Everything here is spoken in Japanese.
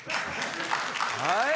はい。